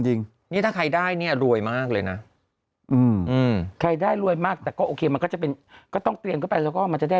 จริงนี่ถ้าใครได้เนี่ยรวยมากเลยนะใครได้รวยมากแต่ก็โอเคมันก็จะเป็นก็ต้องเตรียมเข้าไปแล้วก็มันจะได้